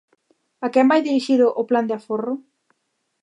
A quen vai dirixido o plan de aforro?